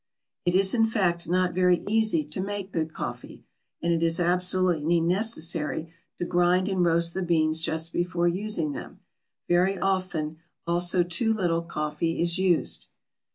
It is in fact not very easy to make good coffee, and it is absolutely necessary to grind and roast the beans just before using them. Very often also too little coffee is used.